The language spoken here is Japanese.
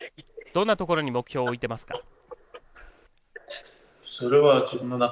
どんなところに目標を置いていますか？